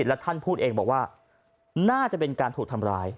แล้วท่านพูดเองบอกว่าน่าจะเป็นการถูกทำร้าย